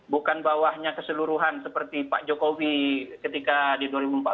bukan bawahnya keseluruhan seperti pak jokowi ketika di dua ribu empat belas